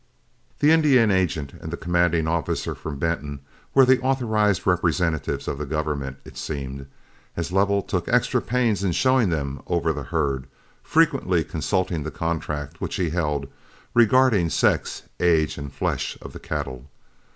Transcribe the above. The Indian agent and the commanding officer from Benton were the authorized representatives of the government, it seemed, as Lovell took extra pains in showing them over the herd, frequently consulting the contract which he held, regarding sex, age, and flesh of the cattle.